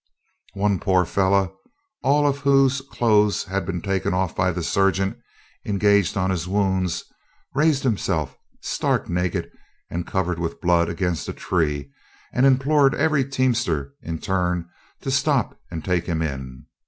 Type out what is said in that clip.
One poor fellow, all of whose clothes had been taken off by the surgeon engaged on his wounds, raised himself, stark naked and covered with blood, against a tree, and implored every teamster in turn to stop and take him in.